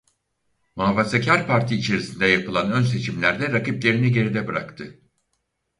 Muhafazakâr Parti içerisinde yapılan ön seçimlerde rakiplerini geride bıraktı.